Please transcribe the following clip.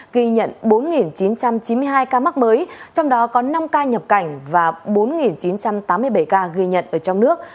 ghi nhận bốn chín trăm chín mươi hai ca mắc mới trong đó có năm ca nhập cảnh và bốn chín trăm tám mươi bảy ca ghi nhận ở trong nước